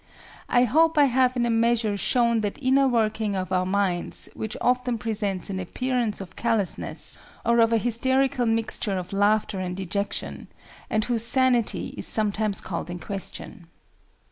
I hope I have in a measure shown that inner working of our minds which often presents an appearance of callousness or of an hysterical mixture of laughter and dejection, and whose sanity is sometimes called in question.